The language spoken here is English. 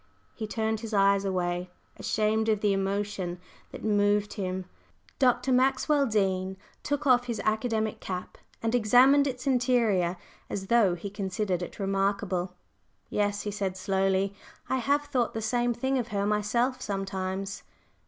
He turned his eyes away, ashamed of the emotion that moved him. Dr. Maxwell Dean took off his academic cap and examined its interior as though he considered it remarkable. "Yes," he said slowly; "I have thought the same thing of her myself sometimes."